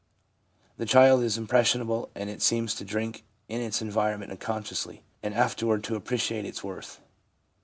The child is impression able, and it seems to drink in its environment uncon sciously, and afterward to appreciate its worth.